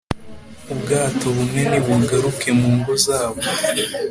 Ubwato bumwe nibugaruke mu ngo zabo